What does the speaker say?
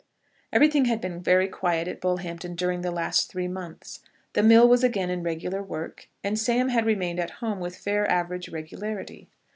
Everything had been very quiet at Bullhampton during the last three months. The mill was again in regular work, and Sam had remained at home with fair average regularity.